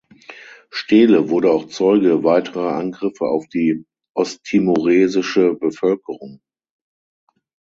Steele wurde auch Zeuge weiterer Angriffe auf die osttimoresische Bevölkerung.